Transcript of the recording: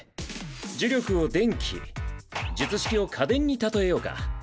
呪力を電気術式を家電に例えようか。